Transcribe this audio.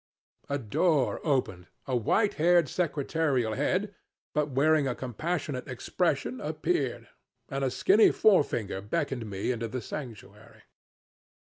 A door opened, a white haired secretarial head, but wearing a compassionate expression, appeared, and a skinny forefinger beckoned me into the sanctuary.